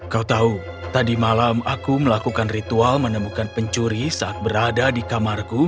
kau tahu tadi malam aku melakukan ritual menemukan pencuri saat berada di kamarku